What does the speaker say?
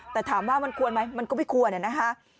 แต่ถามว่ามันควรไหมมันก็ไม่ควรนะคะ